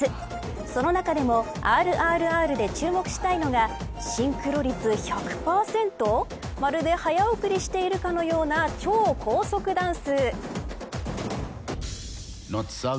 その中でもＲＲＲで注目したいのがシンクロ率１００％まるで早送りしているかのような超高速ダンス。